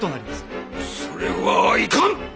それはいかん！